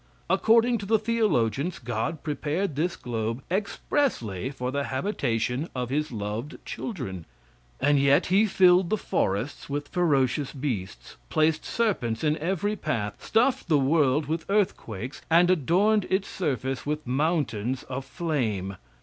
According to the theologians, God prepared this globe expressly for the habitation of his loved children, and yet he filled the forests with ferocious beasts; placed serpents in every path; stuffed the world with earthquakes, and adorned its surface with mountains of flame.